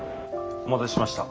お待たせしました。